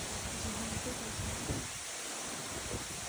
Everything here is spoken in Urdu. جی ہاں بالکل کر سکتے ہیں ۔